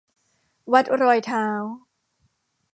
วัดรอยเท้า